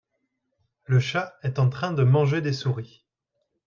le chat est en train de manger des souris.